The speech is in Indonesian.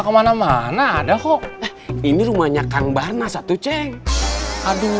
doi assalamualaikum waalaikumussalam